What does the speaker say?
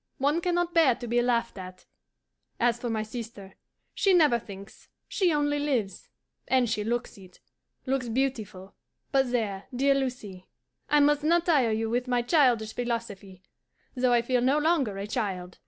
One can not bear to be laughed at. And as for my sister, she never thinks; she only lives; and she looks it looks beautiful. But there, dear Lucie, I must not tire you with my childish philosophy, though I feel no longer a child.